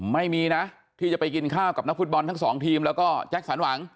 ไม่มีนะที่จะไปกินข้าวกับนักฟุตบอลทั้งสองทีมแล้วก็แจ็คสันหวัง